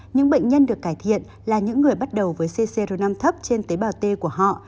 những bệnh nhân được cải thiện là những người bắt đầu với ccr năm thấp trên tế bào t của họ